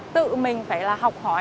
tự mình phải là học hỏi